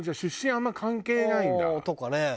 あんまり関係ないんだ。とかね。